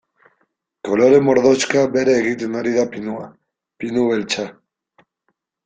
Kolore mordoxka bere egiten ari da pinua, pinu beltza.